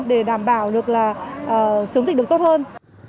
để đảm bảo được là chống dịch được tốt hơn